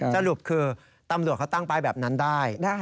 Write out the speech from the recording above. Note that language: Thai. สรุปคือตำรวจเขาตั้งป้ายแบบนั้นได้